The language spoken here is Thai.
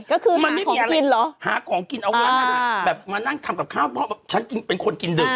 มันไม่มีอะไรหากล่องกินเอามานั่งทำกับข้าวเพราะว่าฉันเป็นคนกินดึก